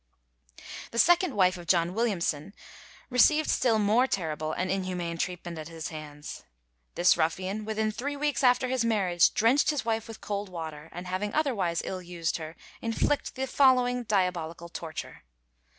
The second wife of John Williamson received still more terrible and inhumane treatment at his hands. This ruffian within three weeks after his marriage drenched his wife with cold water, and having otherwise ill used her, inflicted the following diabolical torture.